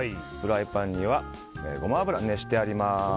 フライパンにはゴマ油が熱してあります。